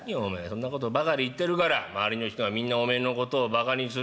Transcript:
そんなことばかり言ってるから周りの人がみんなおめえのことをバカにするんだよ。